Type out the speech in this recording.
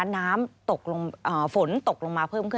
สวัสดีค่ะสวัสดีค่ะ